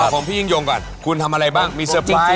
ของพี่ยิ่งยงก่อนคุณทำอะไรบ้างมีเซอร์ไพรส์